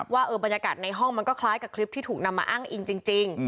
ว่าบรรยากาศในห้องมันก็คล้ายกับคลิปที่ถูกนำมาอ้างอิงจริง